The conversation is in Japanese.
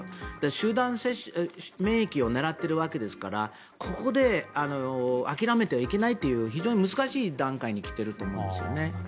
集団免疫を狙っているわけですからここで諦めてはいけないという非常に難しい段階に来ていると思うんですよね。